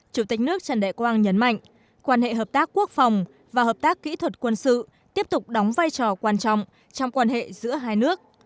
chủ tịch nước trần đại quang nhấn mạnh quan hệ hợp tác quốc phòng và hợp tác kỹ thuật quân sự tiếp tục đóng vai trò quan trọng trong quan hệ giữa hai nước